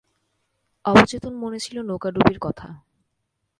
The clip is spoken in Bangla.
অবচেতন মনে ছিল নৌকাডুবির কথা।